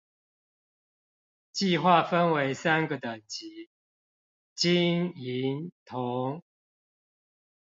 計畫分為三個等級：金、銀、銅